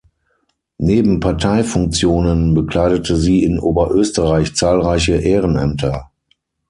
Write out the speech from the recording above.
Neben Parteifunktionen bekleidete sie in Oberösterreich zahlreiche Ehrenämter.